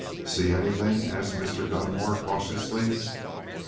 "See anything?" asked Mr. Gunmore cautiously.